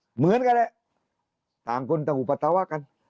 เหมือนกันแหละทางคนต้องเอาอุปัตตาวะกัน